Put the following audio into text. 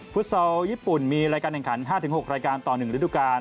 ซอลญี่ปุ่นมีรายการแห่งขัน๕๖รายการต่อ๑ฤดูกาล